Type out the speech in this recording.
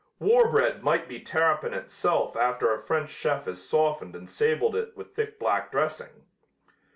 War bread might be terrapin itself after a French chef has softened and sabled it with thick black dressing.